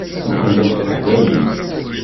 Mxellent teḥdayin.